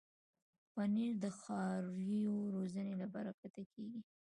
پنېر د څارویو روزنې له برکته کېږي.